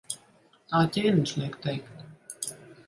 Tā ķēniņš liek teikt.